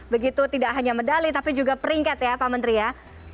begitu tidak hanya medali tapi juga peringkat ya pak menteri ya